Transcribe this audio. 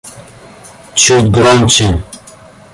Чуть громче